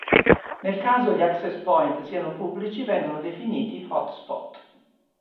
Nel caso gli Access Point siano pubblici, vengono definiti hotspot.